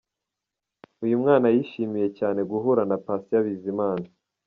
Uyu mwana yishimiye cyane guhura na Patient Bizimana.